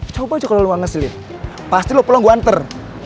coba aja kalau lu nggak ngeselin pasti lu perlu gua anter